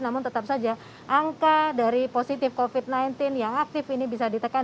namun tetap saja angka dari positif covid sembilan belas yang aktif ini bisa ditekan